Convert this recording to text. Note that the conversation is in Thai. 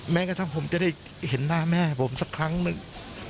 แม้กระทั่งผมจะได้เห็นหน้าแม่ผมสักครั้งหนึ่ง